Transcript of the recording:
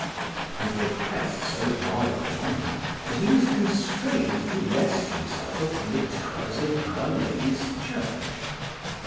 And they pressed so hard upon him that he was constrained to rest himself upon the towers of Our Lady's Church.